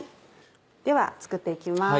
では作って行きます。